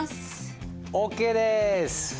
ＯＫです。